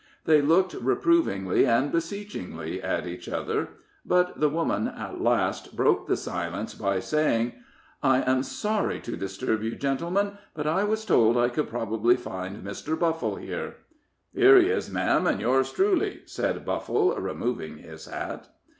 They looked reprovingly and beseechingly at each other, but the woman, at last, broke the silence by saying: "I am sorry to disturb you, gentlemen, but I was told I could probably find Mr. Buffle here." "Here he is, ma'am, and yours truly," said Buffle, removing his hat.